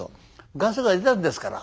ガスが出たんですから。